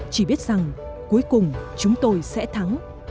chỉ biết rằng cuối cùng chúng tôi sẽ thắng